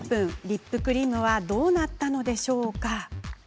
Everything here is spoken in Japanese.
リップクリームはどうなったんでしょうか？